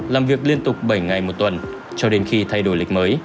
làm việc liên tục bảy ngày một tuần cho đến khi thay đổi lịch mới